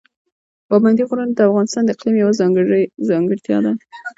پابندي غرونه د افغانستان د اقلیم یوه ځانګړې ځانګړتیا ده.